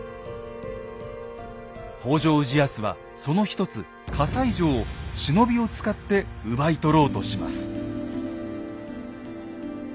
北条氏康はその一つ西城を忍びを使って奪い取ろうとします。